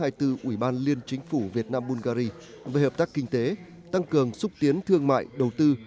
của ubnd việt nam bungary về hợp tác kinh tế tăng cường xúc tiến thương mại đầu tư